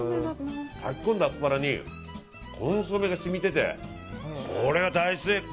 炊き込んだアスパラにコンソメが染みててこれは大成功！